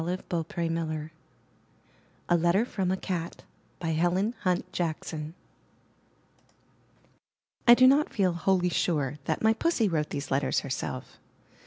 312 IN THE NURSERY A LETTER FROM A CAT* Helen Hunt Jackson I do not feel wholly sure that my Pussy wrote these letters herself.